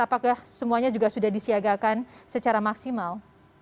apakah semuanya juga sudah disiagakan secara maksimal